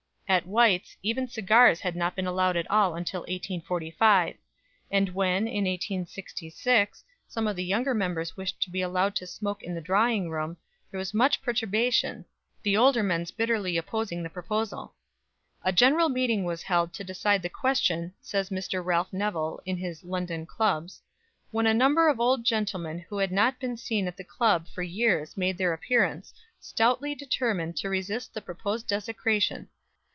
At White's even cigars had not been allowed at all until 1845; and when, in 1866, some of the younger members wished to be allowed to smoke in the drawing room, there was much perturbation, the older members bitterly opposing the proposal. "A general meeting was held to decide the question," says Mr. Ralph Nevill, in his "London Clubs," "when a number of old gentlemen who had not been seen in the club for years made their appearance, stoutly determined to resist the proposed desecration.